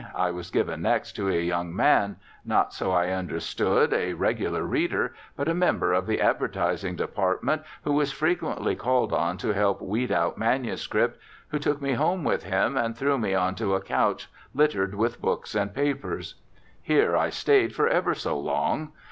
I was given next to a young man, not, so I understood, a regular reader, but a member of the advertising department who was frequently called on to help weed out manuscript, who took me home with him and threw me onto a couch littered with books and papers. Here I stayed for ever so long.